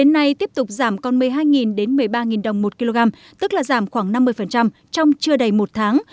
nay tiếp tục giảm còn một mươi hai một mươi ba đồng một kg tức là giảm khoảng năm mươi trong chưa đầy một tháng